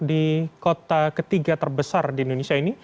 di kota ketiga terbesar di indonesia ini